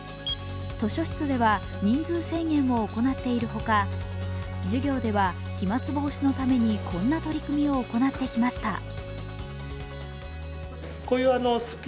図書室では人数制限を行っているほか授業では飛まつ防止のためにこんな取り組みを行ってきました。